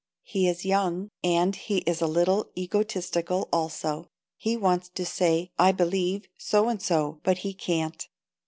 He is young, and he is a little egotistical, also. He wants to say, "I believe" so and so, but he can't.